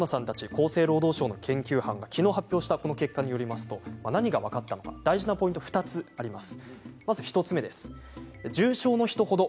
厚生労働省の研究班がきのう発表した結果によりますと大事なポイントが２つあります。